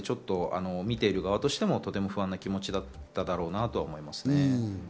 見ている側としても、とても不安な気持ちだっただろうなと思いますね。